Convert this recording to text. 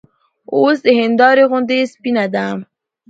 اوس د هېندارې غوندې سپينه ده